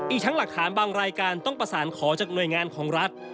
อีกทั้งหลักฐานบางรายการต้องประสานขอจากหน่วยงานของรัฐ